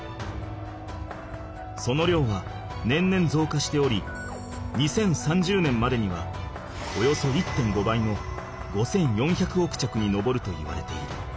その量は年々ぞうかしており２０３０年までにはおよそ１．５倍の５４００億着に上るといわれている。